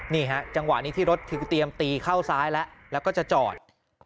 นี่ฮะจังหวะนี้ที่รถถึงเตรียมตีเข้าซ้ายแล้วแล้วก็จะจอด